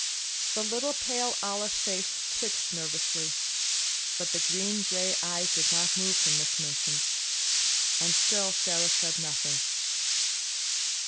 The little pale olive face twitched nervously, but the green gray eyes did not move from Miss Minchin's, and still Sara said nothing.